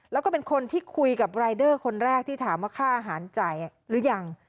แล้วก็เป็นคนที่คุยกับรายเดอร์คนแรกที่ถามว่าค่าอาหารจ่ายหรือยัง